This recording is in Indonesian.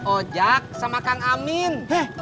ojak sama kang amin